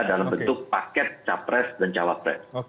dalam bentuk paket capres dan cawapres